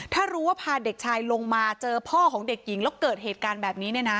ถ้ารู้ว่าพาเด็กชายลงมาเจอพ่อของเด็กหญิงแล้วเกิดเหตุการณ์แบบนี้เนี่ยนะ